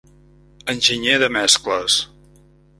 Enginyer de mescles: